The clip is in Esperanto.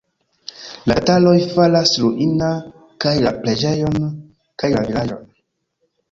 La tataroj faras ruina kaj la preĝejon, kaj la vilaĝon.